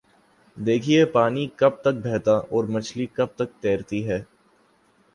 دیکھیے پانی کب تک بہتا اور مچھلی کب تک تیرتی ہے؟